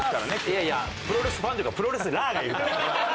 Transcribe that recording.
いやいやプロレスファンというかプロレスラーがいるから。